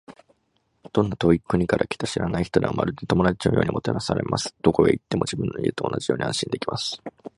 どんな遠い国から来た知らない人でも、まるで友達のようにもてなされます。どこへ行っても、自分の家と同じように安心できます。